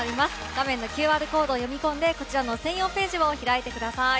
画面のＱＲコードを読み込んで専用ページを開いてください。